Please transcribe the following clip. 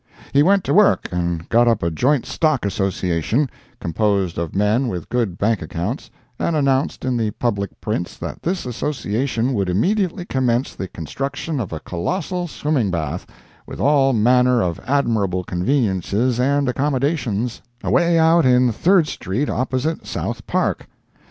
He went to work and got up a joint stock association, composed of men with good bank accounts, and announced in the public prints that this association would immediately commence the construction of a colossal swimming bath, with all manner of admirable conveniences and accommodations, away out in Third Street opposite South Park.